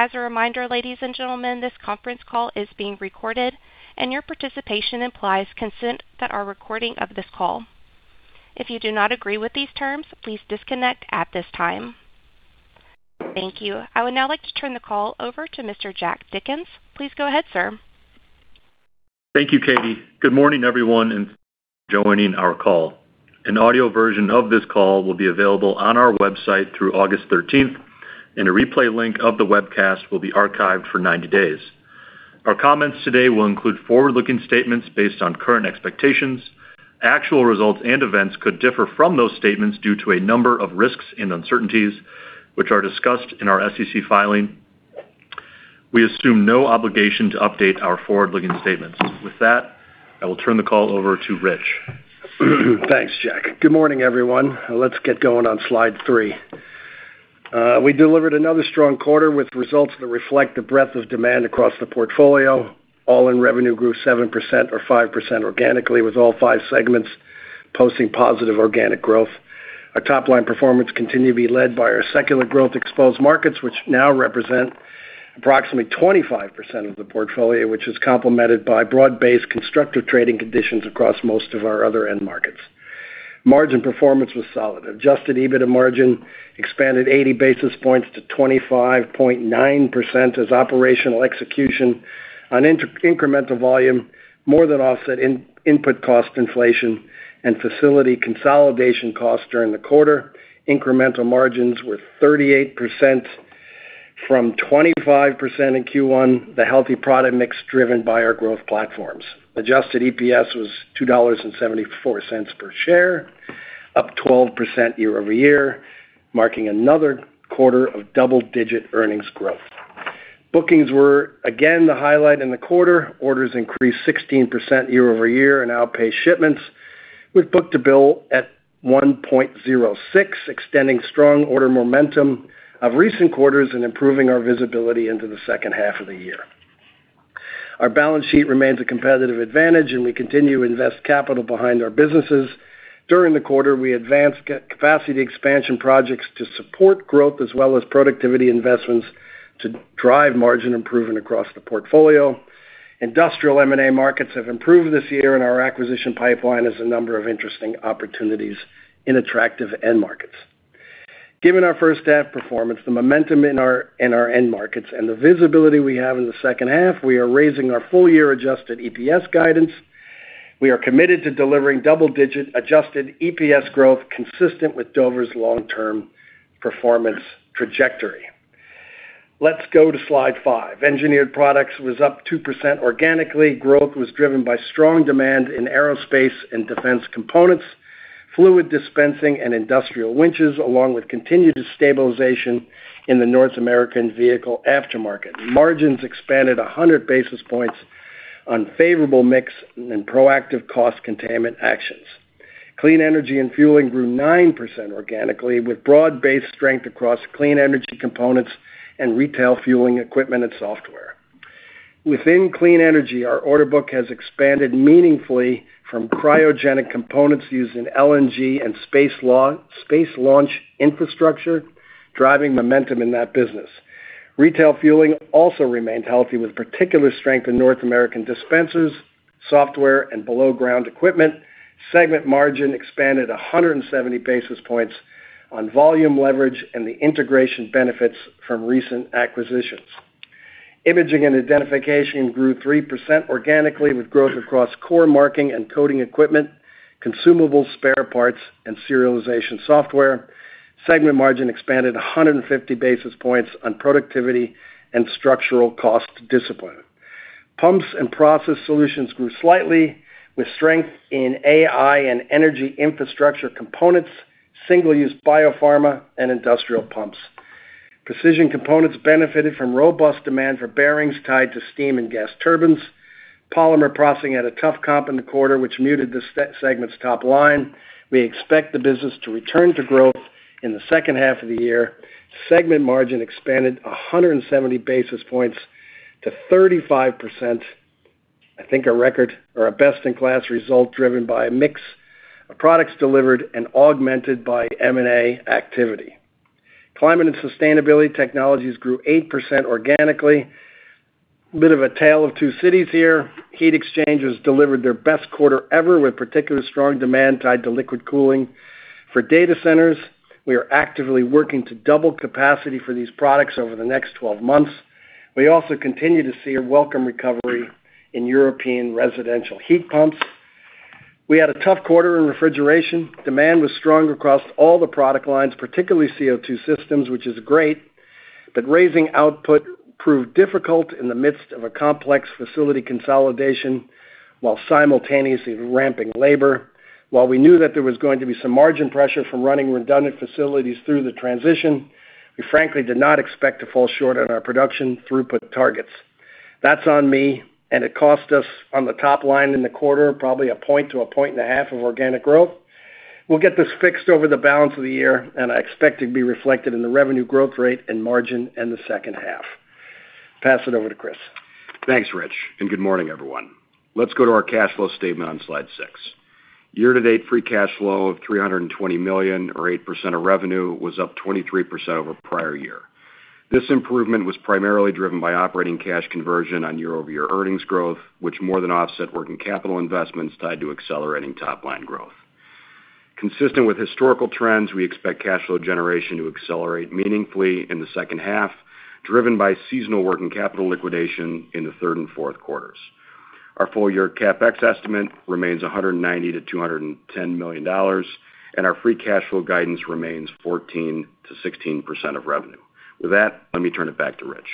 As a reminder, ladies and gentlemen, this conference call is being recorded, and your participation implies consent that our recording of this call. If you do not agree with these terms, please disconnect at this time. Thank you. I would now like to turn the call over to Mr. Jack Dickens. Please go ahead, sir. Thank you, Katie. Good morning, everyone, and thank you for joining our call. An audio version of this call will be available on our website through August 13th, and a replay link of the webcast will be archived for 90 days. Our comments today will include forward-looking statements based on current expectations. Actual results and events could differ from those statements due to a number of risks and uncertainties, which are discussed in our SEC filing. We assume no obligation to update our forward-looking statements. With that, I will turn the call over to Rich. Thanks, Jack. Good morning, everyone. Let's get going on slide three. We delivered another strong quarter with results that reflect the breadth of demand across the portfolio. All-in revenue grew 7% or 5% organically, with all five segments posting positive organic growth. Our top-line performance continued to be led by our secular growth exposed markets, which now represent approximately 25% of the portfolio, which is complemented by broad-based constructive trading conditions across most of our other end markets. Margin performance was solid. Adjusted EBITDA margin expanded 80 basis points to 25.9% as operational execution on incremental volume more than offset input cost inflation and facility consolidation costs during the quarter. Incremental margins were 38%, from 25% in Q1, the healthy product mix driven by our growth platforms. Adjusted EPS was $2.74 per share, up 12% year-over-year, marking another quarter of double-digit earnings growth. Bookings were, again, the highlight in the quarter. Orders increased 16% year-over-year and outpaced shipments with book-to-bill at 1.06, extending strong order momentum of recent quarters and improving our visibility into the second half of the year. Our balance sheet remains a competitive advantage, and we continue to invest capital behind our businesses. During the quarter, we advanced capacity expansion projects to support growth as well as productivity investments to drive margin improvement across the portfolio. Industrial M&A markets have improved this year, and our acquisition pipeline has a number of interesting opportunities in attractive end markets. Given our first half performance, the momentum in our end markets, and the visibility we have in the second half, we are raising our full year adjusted EPS guidance. We are committed to delivering double-digit adjusted EPS growth consistent with Dover's long-term performance trajectory. Let's go to slide five. Engineered Products was up 2% organically. Growth was driven by strong demand in aerospace and defense components, fluid dispensing, and industrial winches, along with continued stabilization in the North American vehicle aftermarket. Margins expanded 100 basis points on favorable mix and proactive cost containment actions. Clean Energy & Fueling grew 9% organically, with broad-based strength across clean energy components and retail fueling equipment and software. Within clean energy, our order book has expanded meaningfully from cryogenic components used in LNG and space launch infrastructure, driving momentum in that business. Retail fueling also remained healthy, with particular strength in North American dispensers, software, and below-ground equipment. Segment margin expanded 170 basis points on volume leverage and the integration benefits from recent acquisitions. Imaging & Identification grew 3% organically, with growth across core marking and coding equipment, consumable spare parts, and serialization software. Segment margin expanded 150 basis points on productivity and structural cost discipline. Pumps & Process Solutions grew slightly, with strength in AI and energy infrastructure components, single-use biopharma, and industrial pumps. Precision Components benefited from robust demand for bearings tied to steam and gas turbines. Polymer Processing had a tough comp in the quarter, which muted this segment's top line. We expect the business to return to growth in the second half of the year. Segment margin expanded 170 basis points to 35%, I think a record or a best-in-class result driven by a mix of products delivered and augmented by M&A activity. Climate & Sustainability Technologies grew 8% organically. A bit of a tale of two cities here. Heat exchangers delivered their best quarter ever, with particularly strong demand tied to liquid cooling. For data centers, we are actively working to double capacity for these products over the next 12 months. We also continue to see a welcome recovery in European residential heat pumps. We had a tough quarter in refrigeration. Demand was strong across all the product lines, particularly CO2 systems, which is great, but raising output proved difficult in the midst of a complex facility consolidation while simultaneously ramping labor. While we knew that there was going to be some margin pressure from running redundant facilities through the transition, we frankly did not expect to fall short on our production throughput targets. That's on me, and it cost us on the top line in the quarter probably a point to a point and a half of organic growth. We'll get this fixed over the balance of the year, and I expect it to be reflected in the revenue growth rate and margin in the second half. Pass it over to Chris. Thanks, Rich, and good morning, everyone. Let's go to our cash flow statement on slide six. Year-to-date free cash flow of $320 million or 8% of revenue was up 23% over prior year. This improvement was primarily driven by operating cash conversion on year-over-year earnings growth, which more than offset working capital investments tied to accelerating top-line growth. Consistent with historical trends, we expect cash flow generation to accelerate meaningfully in the second half, driven by seasonal working capital liquidation in the third and fourth quarters. Our full year CapEx estimate remains $190 million-$210 million, and our free cash flow guidance remains 14%-16% of revenue. With that, let me turn it back to Rich.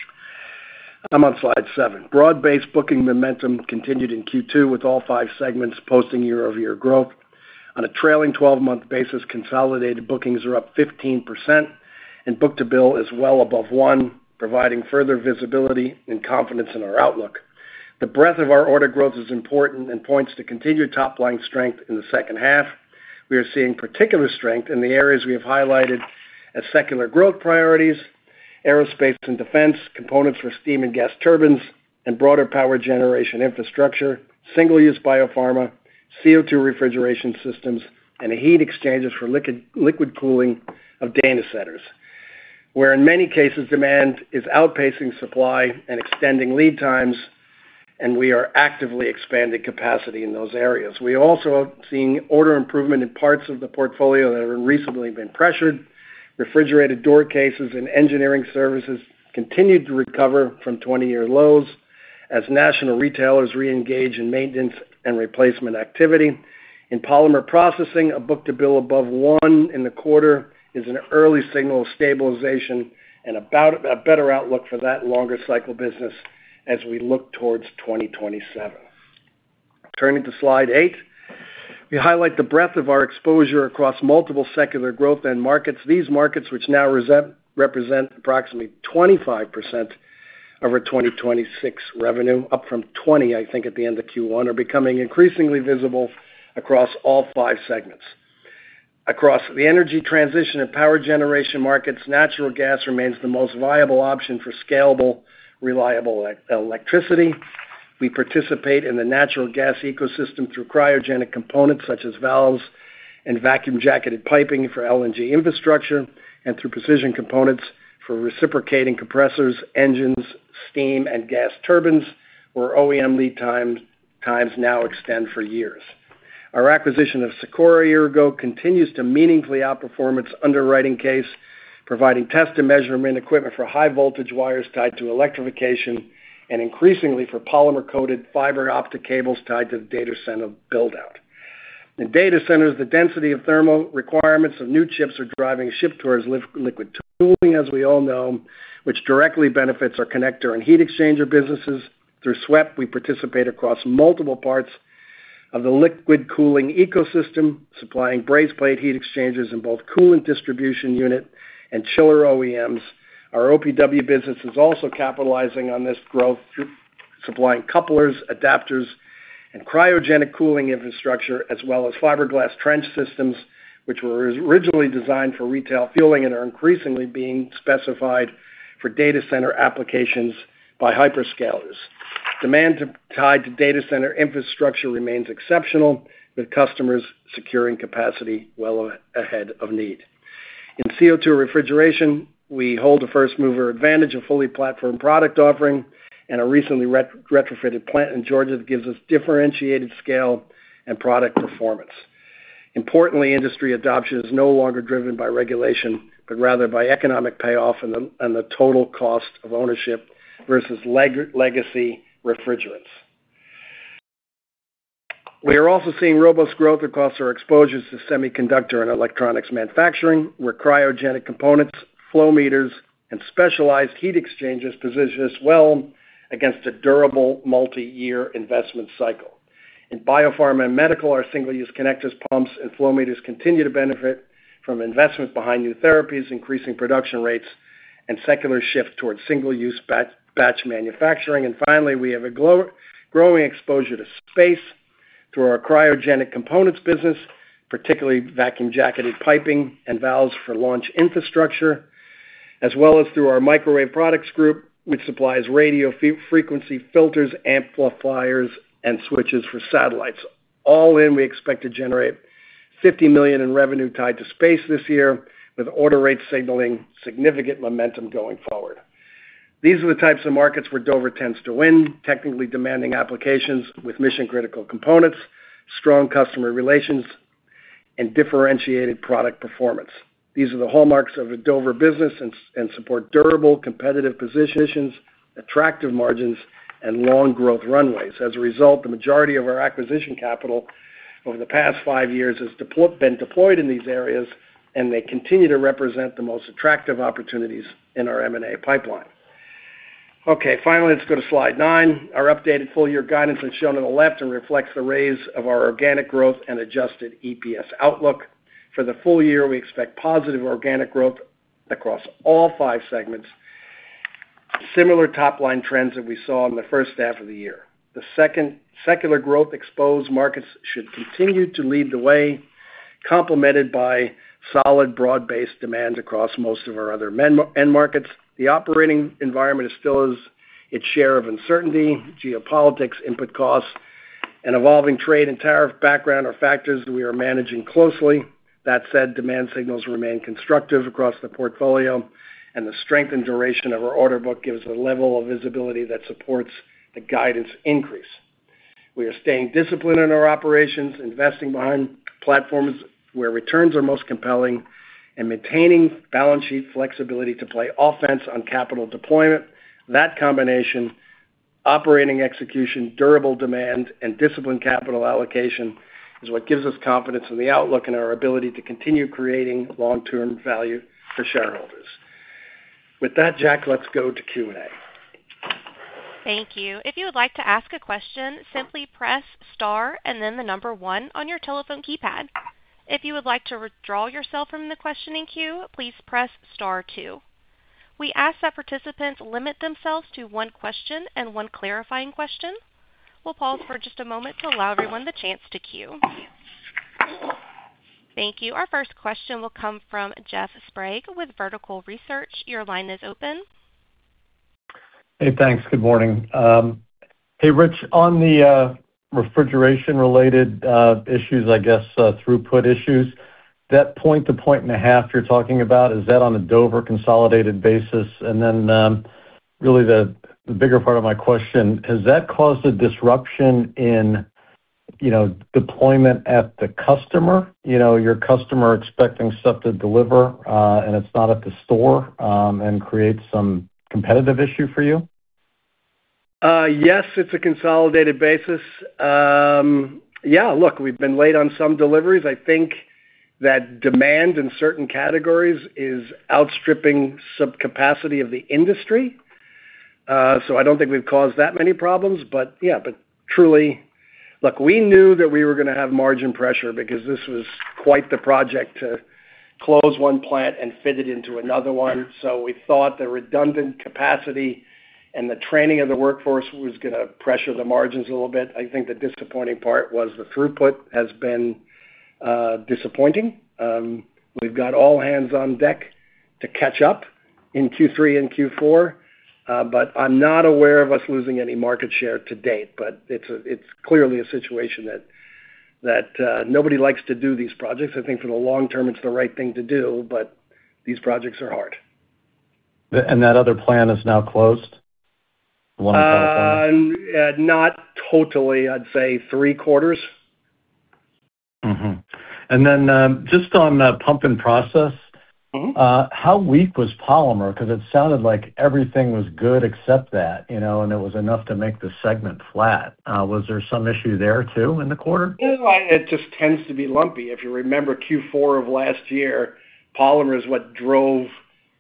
I'm on slide seven. Broad-based booking momentum continued in Q2, with all five segments posting year-over-year growth. On a trailing 12-month basis, consolidated bookings are up 15%, and book-to-bill is well above one, providing further visibility and confidence in our outlook. The breadth of our order growth is important and points to continued top-line strength in the second half. We are seeing particular strength in the areas we have highlighted as secular growth priorities, aerospace and defense, components for steam and gas turbines, and broader power generation infrastructure, single-use biopharma, CO2 refrigeration systems, and the heat exchangers for liquid cooling of data centers, where in many cases, demand is outpacing supply and extending lead times, and we are actively expanding capacity in those areas. We are also seeing order improvement in parts of the portfolio that have recently been pressured. Refrigerated door cases and engineering services continued to recover from 20-year lows as national retailers reengage in maintenance and replacement activity. In Polymer Processing, a book-to-bill above one in the quarter is an early signal of stabilization and a better outlook for that longer cycle business as we look towards 2027. Turning to slide eight. We highlight the breadth of our exposure across multiple secular growth end markets. These markets, which now represent approximately 25% of our 2026 revenue, up from 20%, I think at the end of Q1, are becoming increasingly visible across all five segments. Across the energy transition and power generation markets, natural gas remains the most viable option for scalable, reliable electricity. We participate in the natural gas ecosystem through cryogenic components such as valves and vacuum-jacketed piping for LNG infrastructure, and through precision components for reciprocating compressors, engines, steam, and gas turbines, where OEM lead times now extend for years. Our acquisition of SIKORA a year ago continues to meaningfully outperform its underwriting case, providing test and measurement equipment for high voltage wires tied to electrification, and increasingly for polymer-coated fiber optic cables tied to the data center build-out. In data centers, the density of thermal requirements of new chips are driving a shift towards liquid cooling, as we all know, which directly benefits our connector and heat exchanger businesses. Through SWEP, we participate across multiple parts of the liquid cooling ecosystem, supplying brazed plate heat exchangers in both coolant distribution unit and chiller OEMs. Our OPW business is also capitalizing on this growth through supplying couplers, adapters, and cryogenic cooling infrastructure, as well as fiberglass trench systems, which were originally designed for retail fueling and are increasingly being specified for data center applications by hyperscalers. Demand tied to data center infrastructure remains exceptional, with customers securing capacity well ahead of need. In CO2 refrigeration, we hold a first-mover advantage of fully platform product offering and a recently retrofitted plant in Georgia that gives us differentiated scale and product performance. Importantly, industry adoption is no longer driven by regulation, but rather by economic payoff and the total cost of ownership versus legacy refrigerants. We are also seeing robust growth across our exposures to semiconductor and electronics manufacturing, where cryogenic components, flow meters, and specialized heat exchangers position us well against a durable multi-year investment cycle. In biopharma and medical, our single-use connectors, pumps, and flow meters continue to benefit from investment behind new therapies, increasing production rates, and secular shift towards single-use batch manufacturing. Finally, we have a growing exposure to space through our cryogenic components business, particularly vacuum-jacketed piping and valves for launch infrastructure, as well as through our Microwave Products Group, which supplies radio frequency filters, amplifiers, and switches for satellites. All in, we expect to generate $50 million in revenue tied to space this year, with order rates signaling significant momentum going forward. These are the types of markets where Dover tends to win, technically demanding applications with mission-critical components, strong customer relations, and differentiated product performance. These are the hallmarks of a Dover business and support durable competitive positions, attractive margins, and long growth runways. As a result, the majority of our acquisition capital over the past five years has been deployed in these areas, and they continue to represent the most attractive opportunities in our M&A pipeline. Okay. Finally, let's go to slide nine. Our updated full-year guidance is shown on the left and reflects the raise of our organic growth and adjusted EPS outlook. For the full year, we expect positive organic growth across all five segments. Similar top-line trends that we saw in the first half of the year. The secular growth exposed markets should continue to lead the way Complemented by solid broad-based demands across most of our other end markets. The operating environment still has its share of uncertainty, geopolitics, input costs, and evolving trade and tariff background are factors that we are managing closely. That said, demand signals remain constructive across the portfolio, the strength and duration of our order book gives a level of visibility that supports the guidance increase. We are staying disciplined in our operations, investing behind platforms where returns are most compelling, and maintaining balance sheet flexibility to play offense on capital deployment. That combination, operating execution, durable demand, and disciplined capital allocation, is what gives us confidence in the outlook and our ability to continue creating long-term value for shareholders. With that, Jack, let's go to Q&A. Thank you. If you would like to ask a question, simply press star and then the number one on your telephone keypad. If you would like to withdraw yourself from the questioning queue, please press star two. We ask that participants limit themselves to one question and one clarifying question. We'll pause for just a moment to allow everyone the chance to queue. Thank you. Our first question will come from Jeff Sprague with Vertical Research. Your line is open. Hey, thanks. Good morning. Hey, Rich. On the refrigeration-related issues, I guess, throughput issues, that point to point and a half you're talking about, is that on a Dover consolidated basis? Really the bigger part of my question, has that caused a disruption in deployment at the customer? Your customer expecting stuff to deliver, and it's not at the store, and creates some competitive issue for you? Yes, it's a consolidated basis. Look, we've been late on some deliveries. I think that demand in certain categories is outstripping some capacity of the industry. I don't think we've caused that many problems. Truly Look, we knew that we were going to have margin pressure because this was quite the project to close one plant and fit it into another one. We thought the redundant capacity and the training of the workforce was going to pressure the margins a little bit. I think the disappointing part was the throughput has been disappointing. We've got all hands on deck to catch up in Q3 and Q4. I'm not aware of us losing any market share to date, but it's clearly a situation that nobody likes to do these projects. I think for the long term, it's the right thing to do, but these projects are hard. That other plant is now closed? The one you talked about. Not totally. I'd say three-quarters. Mm-hmm. Just on Pumps & Process- How weak was polymer? It sounded like everything was good except that. It was enough to make the segment flat. Was there some issue there, too, in the quarter? It just tends to be lumpy. If you remember Q4 of last year, polymer is what drove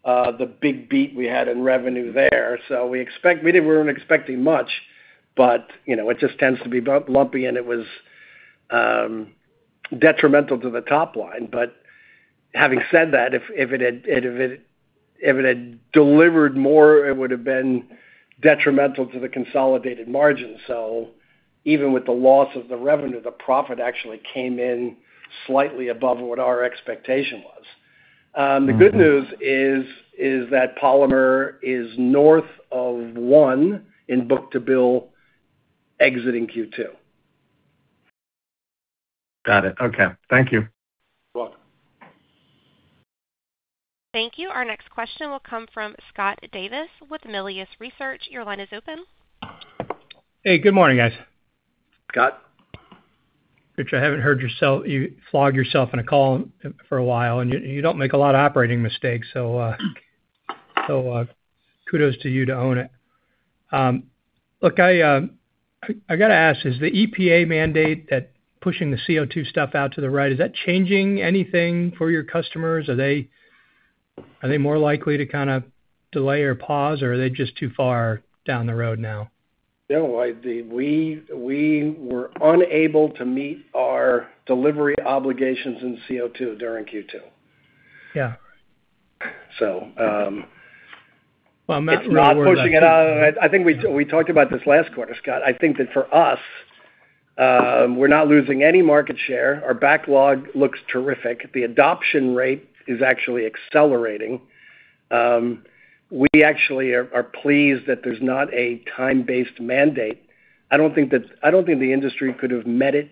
the big beat we had in revenue there. We weren't expecting much, but it just tends to be lumpy, and it was detrimental to the top line. Having said that, if it had delivered more, it would have been detrimental to the consolidated margin. Even with the loss of the revenue, the profit actually came in slightly above what our expectation was. The good news is that polymer is north of one in book-to-bill exiting Q2. Got it. Okay. Thank you. You're welcome. Thank you. Our next question will come from Scott Davis with Melius Research. Your line is open. Hey, good morning, guys. Scott. Rich, I haven't heard you flog yourself in a call for a while, and you don't make a lot of operating mistakes, so kudos to you to own it. Look, I got to ask, is the EPA mandate that pushing the CO2 stuff out to the right, is that changing anything for your customers? Are they more likely to kind of delay or pause, or are they just too far down the road now? No. We were unable to meet our delivery obligations in CO2 during Q2. Yeah. So- Well, I'm not real worried about it. It's not pushing it out. I think we talked about this last quarter, Scott. I think that for us, we're not losing any market share. Our backlog looks terrific. The adoption rate is actually accelerating. We actually are pleased that there's not a time-based mandate. I don't think the industry could have met it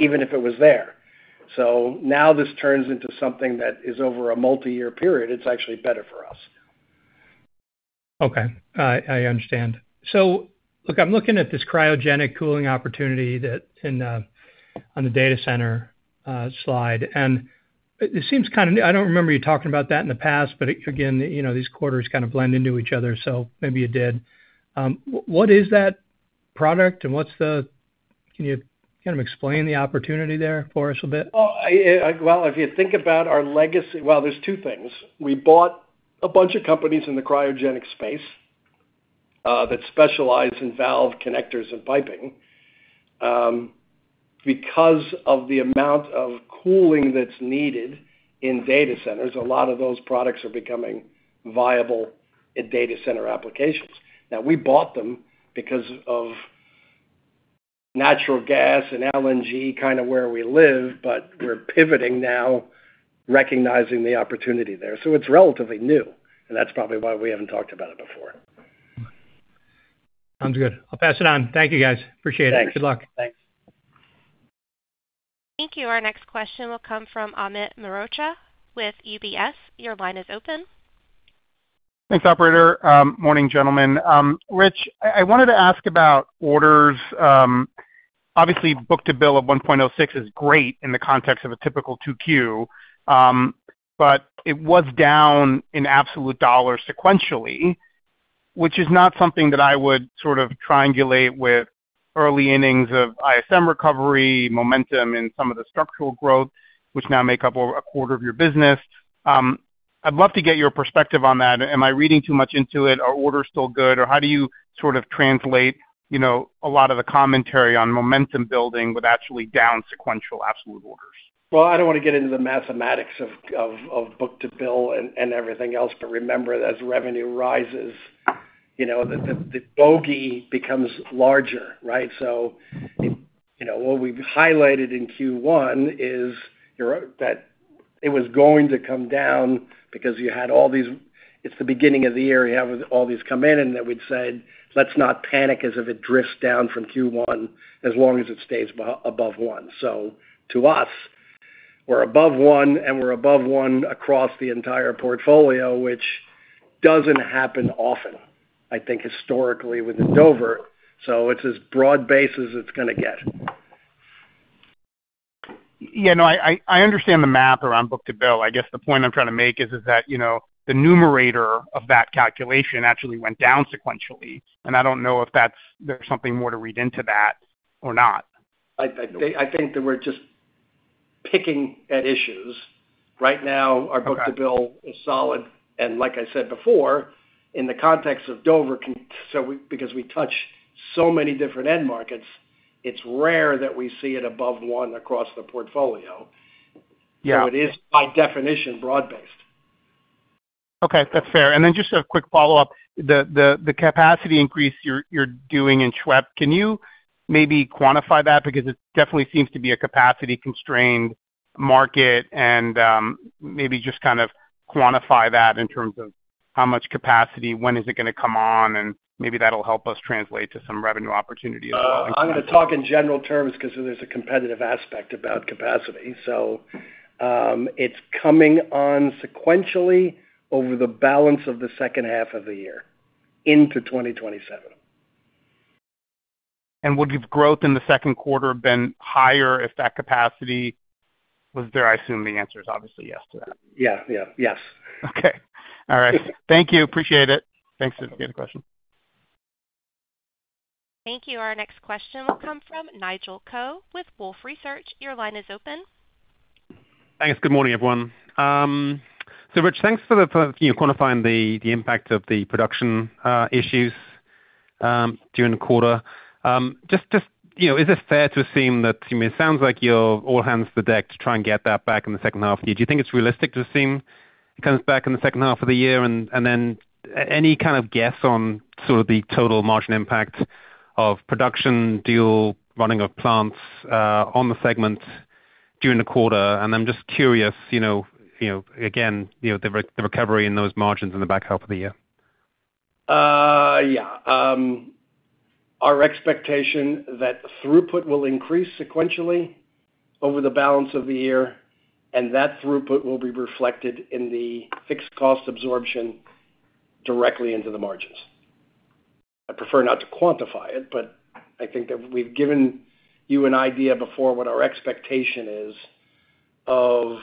even if it was there. Now this turns into something that is over a multi-year period. It's actually better for us. Okay. I understand. Look, I'm looking at this cryogenic cooling opportunity on the data center slide, and it seems kind of new. I don't remember you talking about that in the past, but again, these quarters kind of blend into each other, so maybe you did. What is that product and can you kind of explain the opportunity there for us a bit? Well, there's two things. We bought a bunch of companies in the cryogenic space that specialize in valve connectors and piping. Because of the amount of cooling that's needed in data centers, a lot of those products are becoming viable in data center applications. We bought them because of Natural gas and LNG kind of where we live, but we're pivoting now, recognizing the opportunity there. It's relatively new, and that's probably why we haven't talked about it before. Sounds good. I'll pass it on. Thank you, guys. Appreciate it. Thanks. Good luck. Thanks. Thank you. Our next question will come from Amit Mehrotra with UBS. Your line is open. Thanks, operator. Morning, gentlemen. Rich, I wanted to ask about orders. Obviously, book-to-bill of 1.06 is great in the context of a typical 2Q, but it was down in absolute dollars sequentially, which is not something that I would sort of triangulate with early innings of ISM recovery, momentum in some of the structural growth, which now make up over a quarter of your business. I'd love to get your perspective on that. Am I reading too much into it? Are orders still good? How do you sort of translate a lot of the commentary on momentum building with actually down sequential absolute orders? I don't want to get into the mathematics of book-to-bill and everything else, remember, as revenue rises, the bogey becomes larger, right? What we've highlighted in Q1 is that it was going to come down because you had all these come in. That we'd said, let's not panic as if it drifts down from Q1 as long as it stays above one. To us, we're above one and we're above one across the entire portfolio, which doesn't happen often, I think historically with Dover. It's as broad-based as it's going to get. Yeah. No, I understand the math around book-to-bill. I guess the point I'm trying to make is that, the numerator of that calculation actually went down sequentially, I don't know if there's something more to read into that or not. I think that we're just picking at issues. Right now, our book-to-bill is solid. Like I said before, in the context of Dover, because we touch so many different end markets, it's rare that we see it above one across the portfolio. Yeah. It is by definition broad-based. Okay, that's fair. Then just a quick follow-up. The capacity increase you're doing in SWEP, can you maybe quantify that? It definitely seems to be a capacity-constrained market and maybe just kind of quantify that in terms of how much capacity, when is it going to come on, and maybe that'll help us translate to some revenue opportunity as well. I'm going to talk in general terms because there's a competitive aspect about capacity. It's coming on sequentially over the balance of the second half of the year into 2027. Would growth in the second quarter have been higher if that capacity was there? I assume the answer is obviously yes to that. Yeah. Yes. Okay. All right. Thank you. Appreciate it. Thanks. Good question. Thank you. Our next question will come from Nigel Coe with Wolfe Research. Your line is open. Thanks. Good morning, everyone. Rich, thanks for quantifying the impact of the production issues during the quarter. Just is it fair to assume that it sounds like you're all hands to the deck to try and get that back in the second half of the year. Do you think it's realistic to assume it comes back in the second half of the year? Any kind of guess on sort of the total margin impact of production deal, running of plants on the segment during the quarter? I'm just curious, again, the recovery in those margins in the back half of the year. Yeah. Our expectation that throughput will increase sequentially over the balance of the year, that throughput will be reflected in the fixed cost absorption directly into the margins. I prefer not to quantify it, I think that we've given you an idea before what our expectation is of,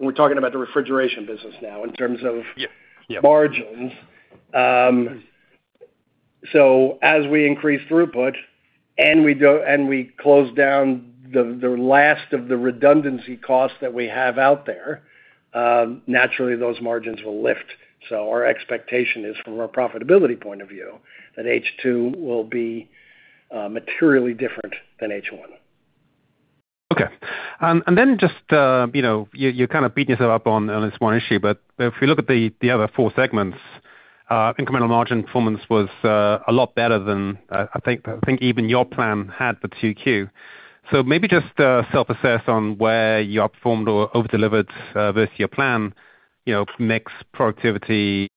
we're talking about the refrigeration business now in term of Margins. As we increase throughput, we close down the last of the redundancy costs that we have out there, naturally those margins will lift. Our expectation is from a profitability point of view that H2 will be materially different than H1. Okay. Just, you kind of beat yourself up on this one issue, but if you look at the other four segments, incremental margin performance was a lot better than I think even your plan had for 2Q. Maybe just self-assess on where you outperformed or over-delivered versus your plan, mix productivity,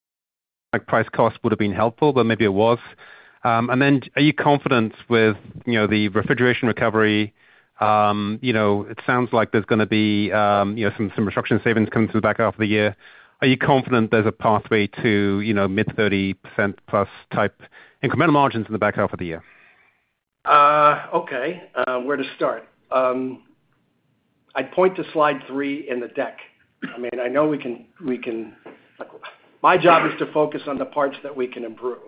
price cost would have been helpful, but maybe it was. Are you confident with the refrigeration recovery? It sounds like there's going to be some restructuring savings coming through the back half of the year. Are you confident there's a pathway to mid 30% plus type incremental margins in the back half of the year? Okay. Where to start? I'd point to slide three in the deck. My job is to focus on the parts that we can improve.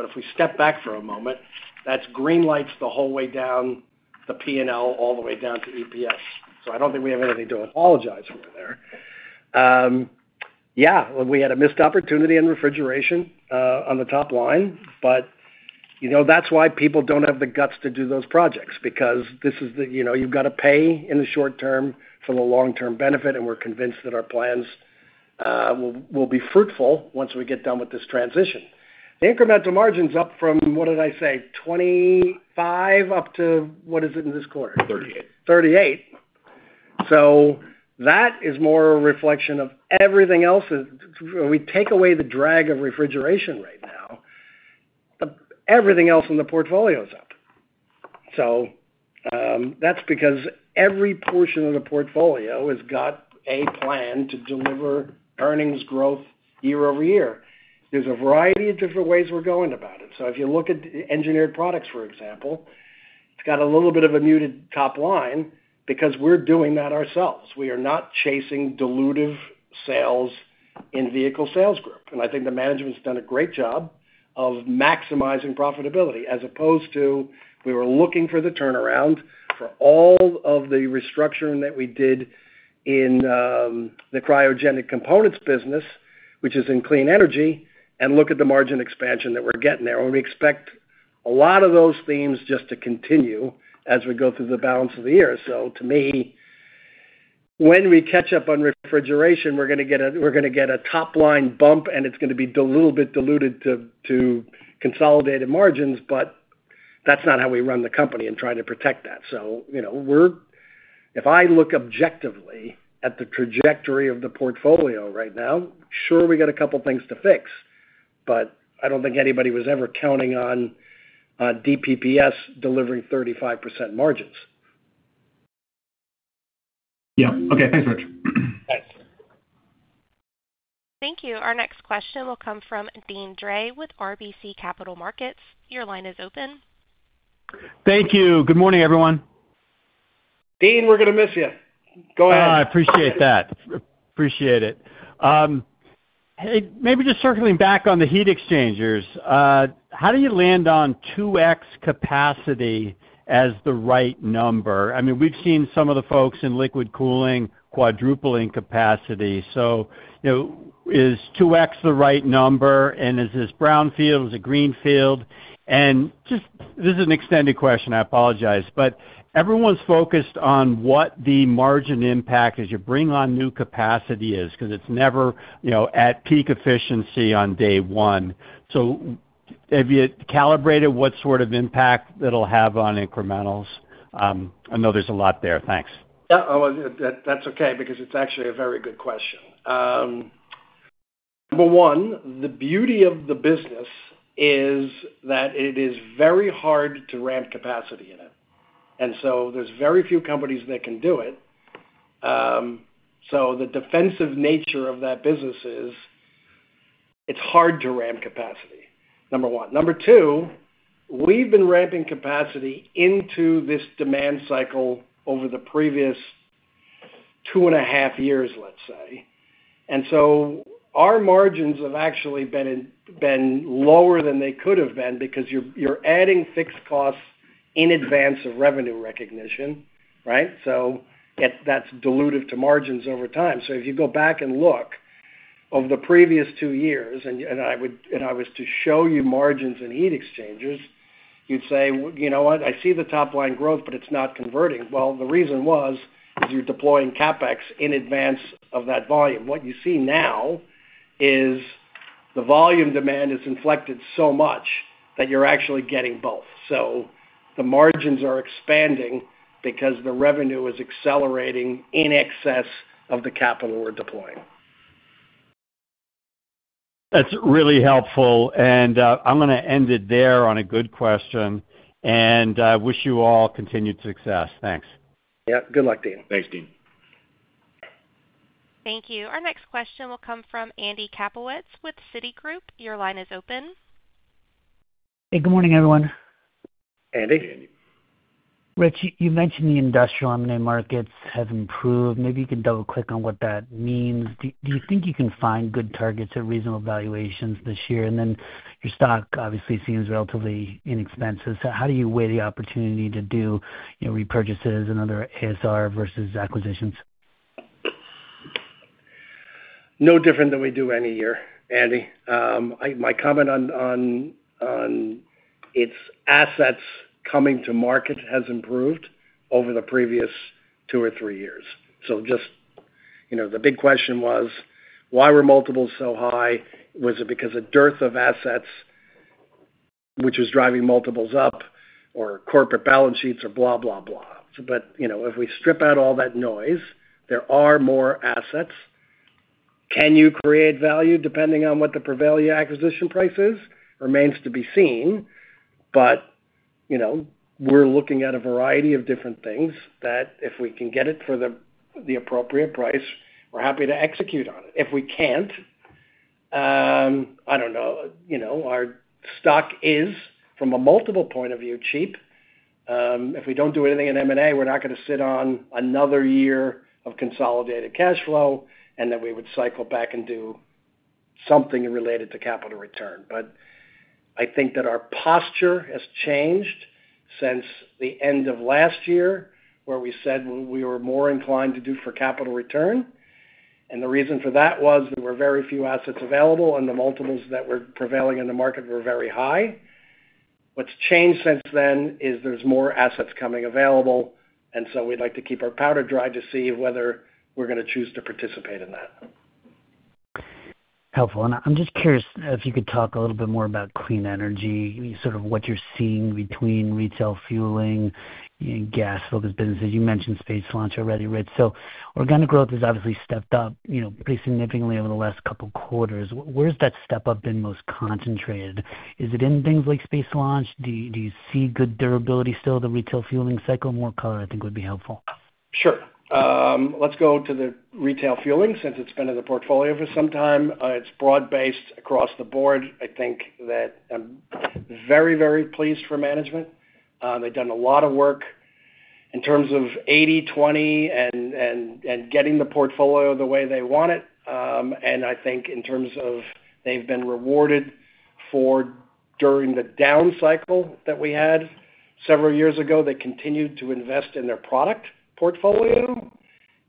If we step back for a moment, that's green lights the whole way down the P&L, all the way down to EPS. I don't think we have anything to apologize for there. We had a missed opportunity in refrigeration on the top line, that's why people don't have the guts to do those projects, because you've got to pay in the short term for the long-term benefit, and we're convinced that our plans will be fruitful once we get done with this transition. The incremental margin's up from, what did I say? 25 up to what is it in this quarter? 38. 38. That is more a reflection of everything else. We take away the drag of refrigeration right now, everything else in the portfolio is up. That's because every portion of the portfolio has got a plan to deliver earnings growth year-over-year. There's a variety of different ways we're going about it. If you look at Engineered Products, for example, it's got a little bit of a muted top line because we're doing that ourselves. We are not chasing dilutive sales in Vehicle Service Group. I think the management's done a great job of maximizing profitability as opposed to we were looking for the turnaround for all of the restructuring that we did in the cryogenic components business, which is in Clean Energy, look at the margin expansion that we're getting there, we expect a lot of those themes just to continue as we go through the balance of the year. To me, when we catch up on refrigeration, we're going to get a top-line bump, it's going to be a little bit diluted to consolidated margins, that's not how we run the company and try to protect that. If I look objectively at the trajectory of the portfolio right now, sure, we got a couple of things to fix, I don't think anybody was ever counting on DPPS delivering 35% margins. Yeah. Okay. Thanks, Rich. Thanks. Thank you. Our next question will come from Deane Dray with RBC Capital Markets. Your line is open. Thank you. Good morning, everyone. Deane, we're going to miss you. Go ahead. I appreciate that. Appreciate it. Maybe just circling back on the heat exchangers. How do you land on 2x capacity as the right number? We've seen some of the folks in liquid cooling quadrupling capacity. Is 2x the right number, and is this brownfield, is it greenfield? This is an extended question, I apologize, but everyone's focused on what the margin impact as you bring on new capacity is, because it's never at peak efficiency on day one. Have you calibrated what sort of impact it'll have on incrementals? I know there's a lot there. Thanks. Yeah. That's okay because it's actually a very good question. Number one, the beauty of the business is that it is very hard to ramp capacity in it. There's very few companies that can do it. The defensive nature of that business is, it's hard to ramp capacity, number one. Number two, we've been ramping capacity into this demand cycle over the previous two and a half years, let's say. Our margins have actually been lower than they could have been because you're adding fixed costs in advance of revenue recognition, right? That's dilutive to margins over time. If you go back and look over the previous two years, and I was to show you margins in heat exchangers, you'd say, "You know what? I see the top-line growth, but it's not converting." Well, the reason was is you're deploying CapEx in advance of that volume. What you see now is the volume demand has inflected so much that you're actually getting both. The margins are expanding because the revenue is accelerating in excess of the capital we're deploying. That's really helpful, I'm going to end it there on a good question, wish you all continued success. Thanks. Yeah. Good luck, Deane. Thanks, Deane. Thank you. Our next question will come from Andy Kaplowitz with Citigroup. Your line is open. Hey, good morning, everyone. Andy. Rich, you mentioned the industrial M&A markets have improved. Maybe you can double-click on what that means. Do you think you can find good targets at reasonable valuations this year? Your stock obviously seems relatively inexpensive. How do you weigh the opportunity to do repurchases and other ASR versus acquisitions? No different than we do any year, Andy. My comment on its assets coming to market has improved over the previous two or three years. Just the big question was: Why were multiples so high? Was it because a dearth of assets which was driving multiples up or corporate balance sheets or blah, blah? If we strip out all that noise, there are more assets. Can you create value depending on what the prevailing acquisition price is? Remains to be seen, but we're looking at a variety of different things that if we can get it for the appropriate price, we're happy to execute on it. If we can't, I don't know. Our stock is, from a multiple point of view, cheap. If we don't do anything in M&A, we're not going to sit on another year of consolidated cash flow, then we would cycle back and do something related to capital return. I think that our posture has changed since the end of last year, where we said we were more inclined to do for capital return. The reason for that was there were very few assets available, and the multiples that were prevailing in the market were very high. What's changed since then is there's more assets coming available, we'd like to keep our powder dry to see whether we're going to choose to participate in that. Helpful. I'm just curious if you could talk a little bit more about Clean Energy, sort of what you're seeing between retail fueling and gas-focused businesses. You mentioned space launch already, Rich. Organic growth has obviously stepped up pretty significantly over the last couple of quarters. Where's that step-up been most concentrated? Is it in things like space launch? Do you see good durability still of the retail fueling cycle? More color, I think, would be helpful. Sure. Let's go to the retail fueling since it's been in the portfolio for some time. It's broad-based across the board. I think that I'm very, very pleased for management. They've done a lot of work in terms of 80/20 and getting the portfolio the way they want it. I think in terms of they've been rewarded for during the down cycle that we had several years ago, they continued to invest in their product portfolio,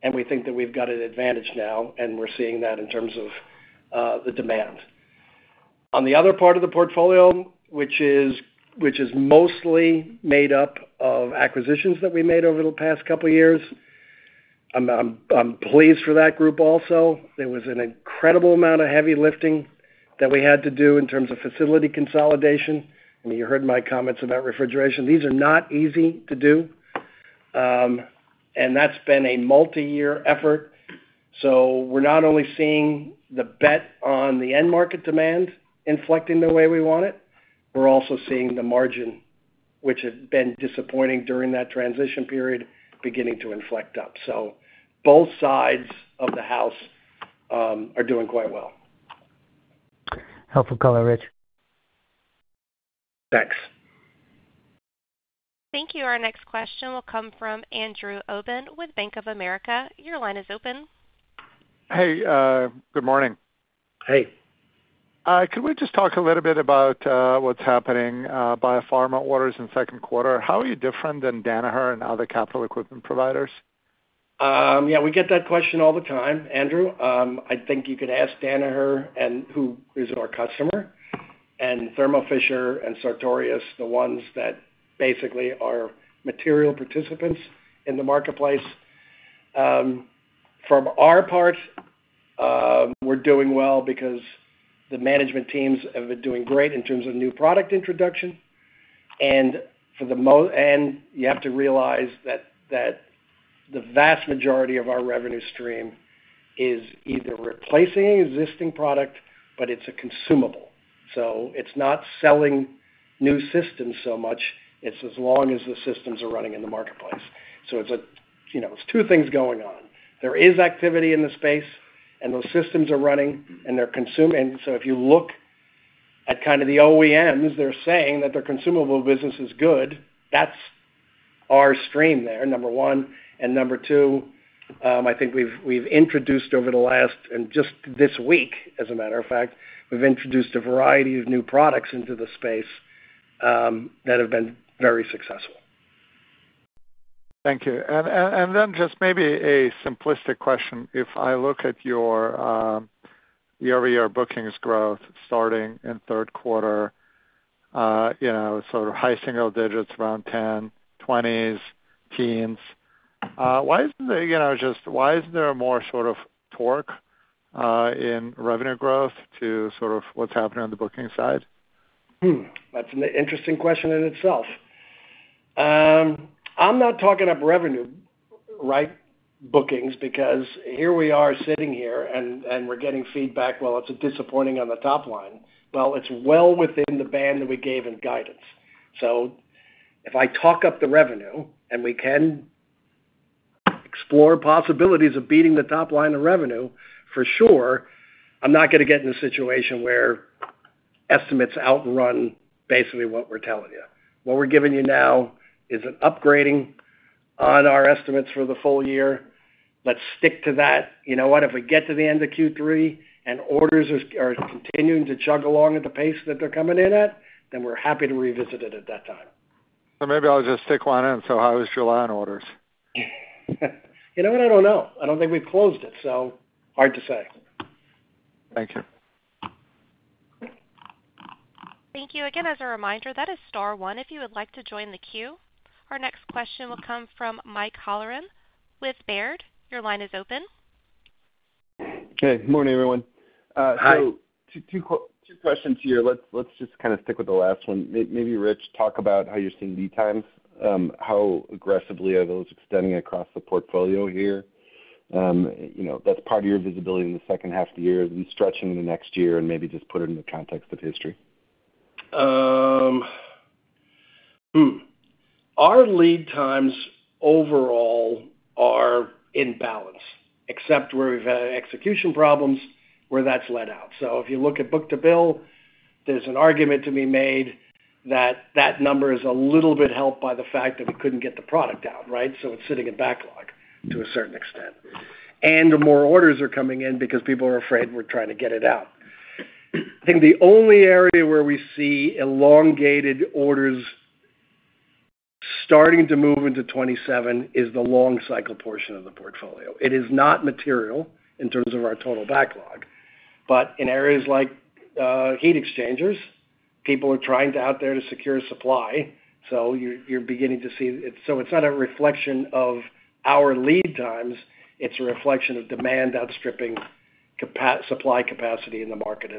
and we think that we've got an advantage now, and we're seeing that in terms of the demand. On the other part of the portfolio, which is mostly made up of acquisitions that we made over the past couple of years, I'm pleased for that group also. There was an incredible amount of heavy lifting that we had to do in terms of facility consolidation. I mean, you heard my comments about refrigeration. These are not easy to do. That's been a multi-year effort. We're not only seeing the bet on the end market demand inflecting the way we want it, we're also seeing the margin, which had been disappointing during that transition period, beginning to inflect up. Both sides of the house are doing quite well. Helpful color, Rich. Thanks. Thank you. Our next question will come from Andrew Obin with Bank of America. Your line is open. Hey. Good morning. Hey. Could we just talk a little bit about what's happening biopharma orders in second quarter? How are you different than Danaher and other capital equipment providers? Yeah, we get that question all the time, Andrew. I think you can ask Danaher and who is our customer, Thermo Fisher and Sartorius, the ones that basically are material participants in the marketplace. From our part, we're doing well because the management teams have been doing great in terms of new product introduction. You have to realize that the vast majority of our revenue stream is either replacing an existing product, but it's a consumable. It's not selling new systems so much, it's as long as the systems are running in the marketplace. It's two things going on. There is activity in the space, those systems are running, and they're consuming. If you look at kind of the OEMs, they're saying that their consumable business is good. That's our stream there, number one. Number two, I think we've introduced over the last and just this week, as a matter of fact, we've introduced a variety of new products into the space that have been very successful. Thank you. Just maybe a simplistic question. If I look at your year-over-year bookings growth starting in third quarter, sort of high single digits around 10, 20s, teens. Why isn't there more sort of torque in revenue growth to sort of what's happening on the booking side? That's an interesting question in itself. I'm not talking up revenue, right, bookings, because here we are sitting here, and we're getting feedback, well, it's disappointing on the top line. It's well within the band that we gave in guidance. If I talk up the revenue, and we can explore possibilities of beating the top line of revenue, for sure, I'm not going to get in a situation where estimates outrun basically what we're telling you. What we're giving you now is an upgrading on our estimates for the full year. Let's stick to that. You know what? If we get to the end of Q3 and orders are continuing to chug along at the pace that they're coming in at, then we're happy to revisit it at that time. Maybe I'll just stick one in. How is July on orders? You know what? I don't know. I don't think we've closed it, so hard to say. Thank you. Thank you. Again, as a reminder, that is star one if you would like to join the queue. Our next question will come from Mike Halloran with Baird. Your line is open. Hey, good morning, everyone. Hi. Two questions here. Let's just kind of stick with the last one. Maybe Rich talk about how you're seeing lead times. How aggressively are those extending across the portfolio here? That's part of your visibility in the second half of the year and stretching into next year, and maybe just put it in the context of history. Our lead times overall are in balance, except where we've had execution problems where that's led out. If you look at book-to-bill, there's an argument to be made that that number is a little bit helped by the fact that we couldn't get the product out, right? It's sitting in backlog to a certain extent. The more orders are coming in because people are afraid we're trying to get it out. I think the only area where we see elongated orders starting to move into 2027 is the long cycle portion of the portfolio. It is not material in terms of our total backlog. But in areas like heat exchangers, people are trying out there to secure supply. You're beginning to see, it's not a reflection of our lead times, it's a reflection of demand outstripping supply capacity in the market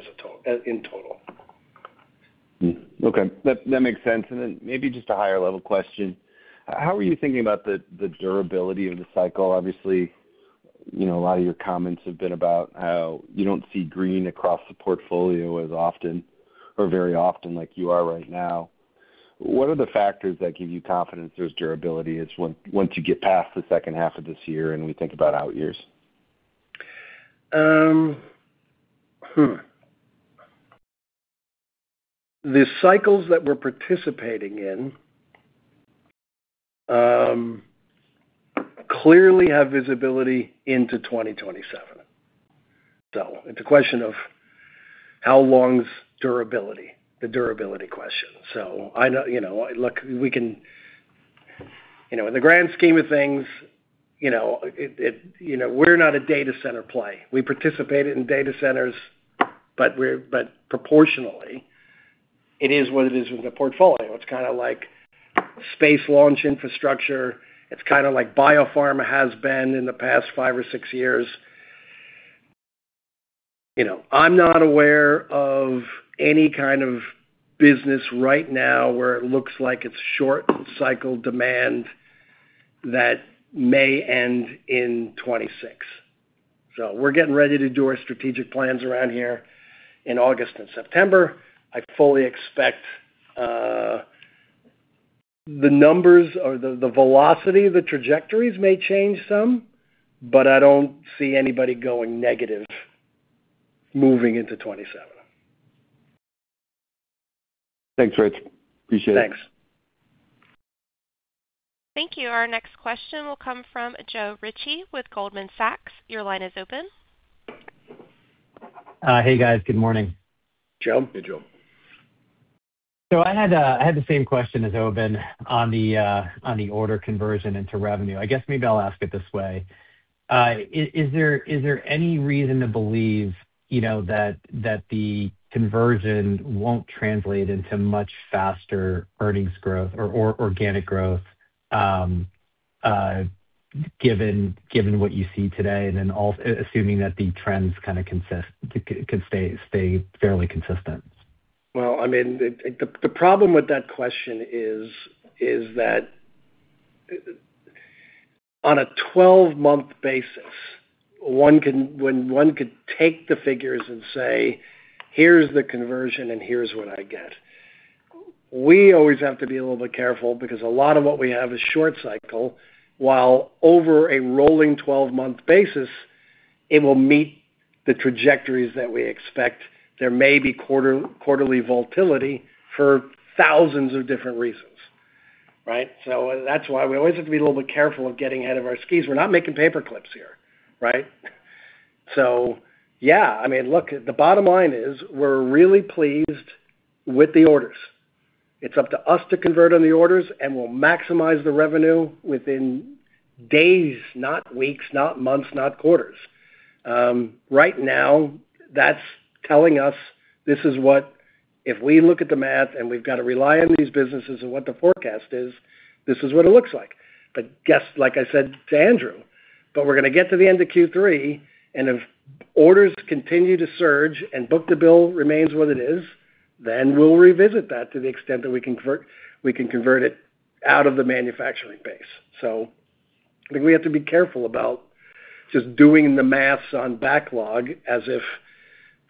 in total. Okay. That makes sense. Maybe just a higher-level question. How are you thinking about the durability of the cycle? Obviously, a lot of your comments have been about how you don't see green across the portfolio as often or very often like you are right now. What are the factors that give you confidence there's durability once you get past the second half of this year and we think about out years? The cycles that we're participating in clearly have visibility into 2027. It's a question of how long is durability, the durability question. Look, in the grand scheme of things, we're not a data center play. We participate in data centers, but proportionally, it is what it is with the portfolio. It's kind of like space launch infrastructure. It's kind of like biopharma has been in the past five or six years. I'm not aware of any kind of business right now where it looks like it's short cycle demand that may end in 2026. We're getting ready to do our strategic plans around here in August and September. I fully expect the numbers or the velocity of the trajectories may change some, but I don't see anybody going negative moving into 2027. Thanks, Rich. Appreciate it. Thanks. Thank you. Our next question will come from Joe Ritchie with Goldman Sachs. Your line is open. Hey, guys. Good morning. Joe. Hey, Joe. I had the same question as Obin on the order conversion into revenue. I guess maybe I'll ask it this way. Is there any reason to believe that the conversion won't translate into much faster earnings growth or organic growth, given what you see today and then assuming that the trends kind of stay fairly consistent? Well, the problem with that question is that on a 12-month basis, when one could take the figures and say, "Here's the conversion and here's what I get." We always have to be a little bit careful because a lot of what we have is short cycle, while over a rolling 12-month basis, it will meet the trajectories that we expect. There may be quarterly volatility for thousands of different reasons, right? That's why we always have to be a little bit careful of getting ahead of our skis. We're not making paperclips here, right? Yeah, look, the bottom line is we're really pleased with the orders. It's up to us to convert on the orders, and we'll maximize the revenue within days, not weeks, not months, not quarters. Right now, that's telling us if we look at the math and we've got to rely on these businesses and what the forecast is, this is what it looks like. Like I said to Andrew, we're going to get to the end of Q3, and if orders continue to surge and book-to-bill remains what it is, then we'll revisit that to the extent that we can convert it out of the manufacturing base. I think we have to be careful about just doing the math on backlog as if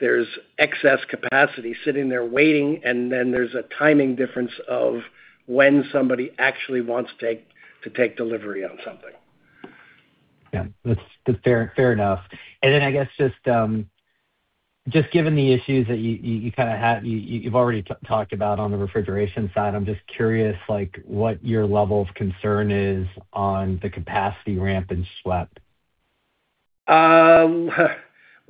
there's excess capacity sitting there waiting, and then there's a timing difference of when somebody actually wants to take delivery on something. Yeah. That's fair enough. Then I guess just given the issues that you've already talked about on the refrigeration side, I'm just curious what your level of concern is on the capacity ramp in SWEP.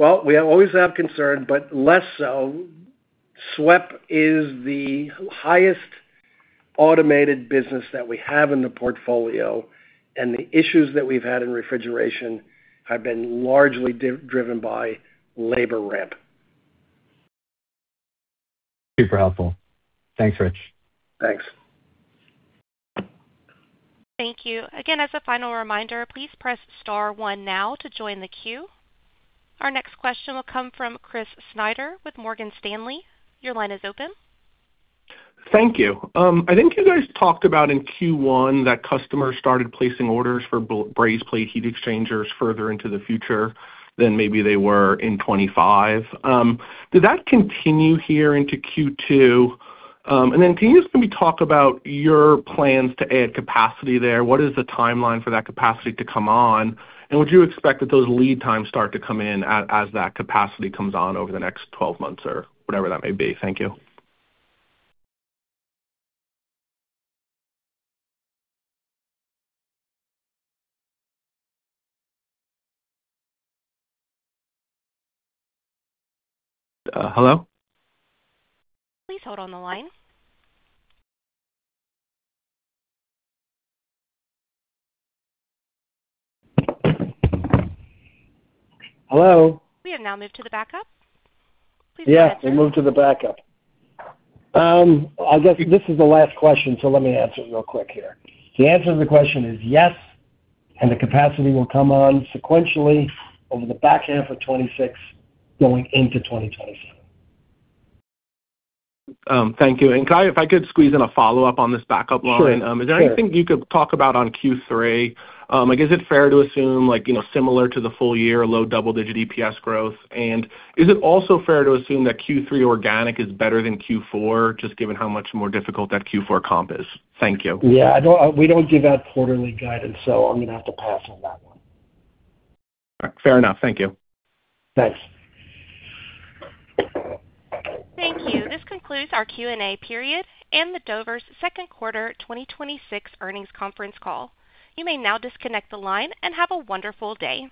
Well, we always have concern, but less so. SWEP is the highest automated business that we have in the portfolio, the issues that we've had in refrigeration have been largely driven by labor ramp. Super helpful. Thanks, Rich. Thanks. Thank you. Again, as a final reminder, please press star one now to join the queue. Our next question will come from Chris Snyder with Morgan Stanley. Your line is open. Thank you. I think you guys talked about in Q1 that customers started placing orders for brazed plate heat exchangers further into the future than maybe they were in 2025. Did that continue here into Q2? Then can you just maybe talk about your plans to add capacity there? What is the timeline for that capacity to come on? Would you expect that those lead times start to come in as that capacity comes on over the next 12 months or whatever that may be? Thank you. Hello? Please hold on the line. Hello? We have now moved to the backup. Please go ahead. Yeah, we moved to the backup. I guess this is the last question, so let me answer it real quick here. The answer to the question is yes, and the capacity will come on sequentially over the back half of 2026 going into 2027. Thank you. If I could squeeze in a follow-up on this backup line. Sure. Is there anything you could talk about on Q3? Is it fair to assume similar to the full year, low double-digit EPS growth? Is it also fair to assume that Q3 organic is better than Q4, just given how much more difficult that Q4 comp is? Thank you. Yeah, we don't give out quarterly guidance. I'm going to have to pass on that one. All right. Fair enough. Thank you. Thanks. Thank you. This concludes our Q&A period and Dover's second quarter 2026 earnings conference call. You may now disconnect the line and have a wonderful day.